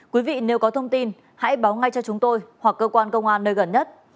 quý vị nếu có thông tin hãy báo ngay cho chúng tôi hoặc cơ quan công an nơi gần nhất